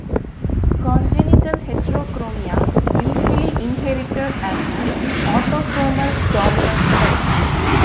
Congenital heterochromia is usually inherited as an autosomal dominant trait.